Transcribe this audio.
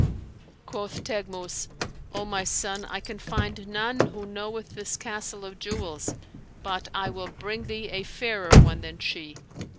Quoth Teghmus, O my son, I can find none who knoweth this Castle of Jewels; but I will bring thee a fairer one than she.'